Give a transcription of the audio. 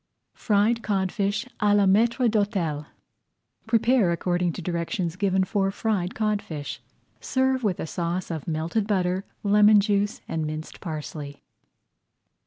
FRIED CODFISH À LA MAÎTRE D'HÔTEL Prepare according to directions given for Fried Codfish. Serve with a sauce of melted butter, lemon juice, and minced parsley.